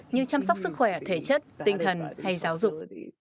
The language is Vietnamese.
như chăm sóc sức khỏe thể chất tinh thần hay giáo dục